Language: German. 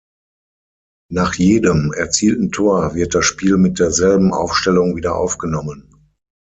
Nach jedem erzielten Tor wird das Spiel mit derselben Aufstellung wieder aufgenommen.